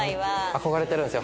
憧れてるんですよ